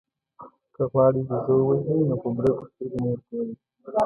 که غواړئ بېزو ووژنئ نو په برګو سترګو مه ورګورئ.